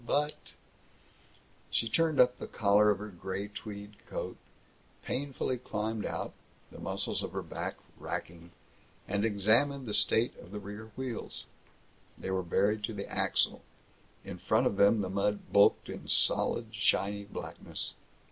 But " She turned up the collar of her gray tweed coat, painfully climbed out the muscles of her back racking and examined the state of the rear wheels. They were buried to the axle; in front of them the mud bulked in solid, shiny blackness.